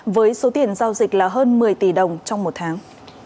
với số tiền giao dịch là hơn một mươi tỷ đồng trong một tháng